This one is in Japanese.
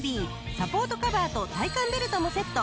サポートカバーと体幹ベルトもセット。